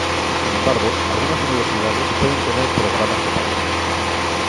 Sin embargo, algunas universidades pueden tener programas separados.